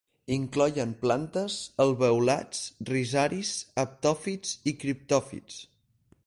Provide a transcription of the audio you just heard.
Incloïen plantes, alveolats, rizaris, haptòfits i criptòfits.